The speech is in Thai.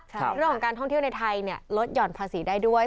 เรื่องของการท่องเที่ยวในไทยลดหย่อนภาษีได้ด้วย